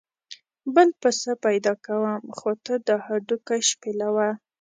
بل پسه پیدا کوم خو ته دا هډوکي شپېلوه.